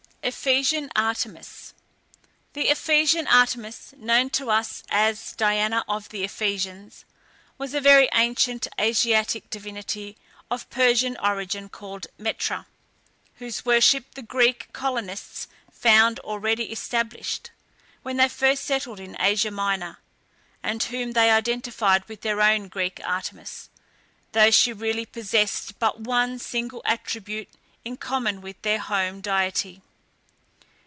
EPHESIAN ARTEMIS. The Ephesian Artemis, known to us as "Diana of the Ephesians," was a very ancient Asiatic divinity of Persian origin called Metra, whose worship the Greek colonists found already established, when they first settled in Asia Minor, and whom they identified with their own Greek Artemis, though she really possessed but one single attribute in common with their home deity.